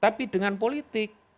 tapi dengan politik